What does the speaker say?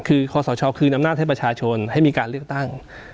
คือความสดช้าคลืนอำนาจให้ประชาชนให้มีการเรื้อตั้ง